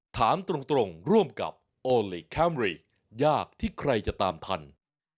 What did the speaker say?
ถามตรงร่วมกับโอลี่คัมรี่ยากที่ใครจะตามพันธุ์